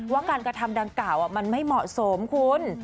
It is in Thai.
ว่าการกระทำดังกล่าวมันไม่เหมาะสมคุณ